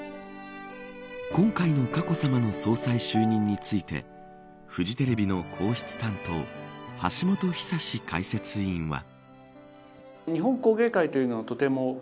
今回の佳子さまの総裁就任についてフジテレビの皇室担当橋本寿史解説委員は。